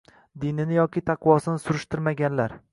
Dinini yoki taqvosini surishtirmaganlar.